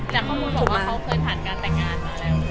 จากข้อมูลบอกว่าเขาเคยผ่านการแต่งงานมาแล้ว